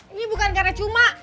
ini bukan gara cuma